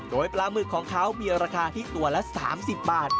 โดยปลาหมึกของเขามีราคาที่ตัวละ๓๐บาท